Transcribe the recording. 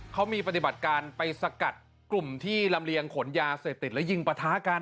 เขามีปฏิบัติการไปสกัดกลุ่มที่ลำเลียงขนยาเสพติดและยิงประทะกัน